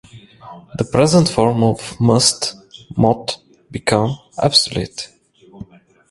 The present form of "must", "mot", became obsolete.